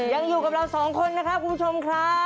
ยังอยู่กับเราสองคนนะครับคุณผู้ชมครับ